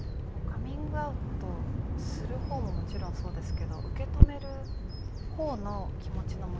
カミングアウトする方ももちろんそうですけど受け止める方の気持ちの持ち方だったりですとか。